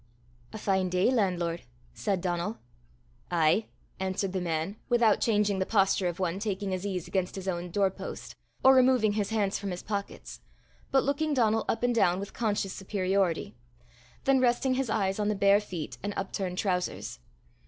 "A fine day, landlord!" said Donal. "Ay," answered the man, without changing the posture of one taking his ease against his own door post, or removing his hands from his pockets, but looking Donal up and down with conscious superiority, then resting his eyes on the bare feet and upturned trousers.